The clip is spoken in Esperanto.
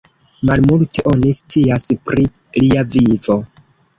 Malmulte oni scias pri lia vivo.